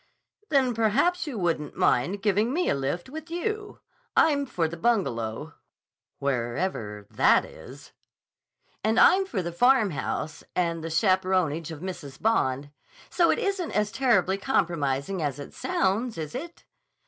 "Then perhaps you wouldn't mind giving me a lift with you. I'm for the Bungalow, wherever that is." "And I'm for the Farmhouse, and the chaperonage of Mrs. Bond. So it isn't as terribly compromising as it sounds, is it?